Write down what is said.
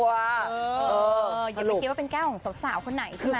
อย่าไปคิดว่าเป็นแก้วของสาวคนไหนใช่ไหม